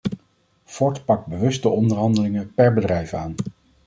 Ford pakt bewust de onderhandelingen per bedrijf aan.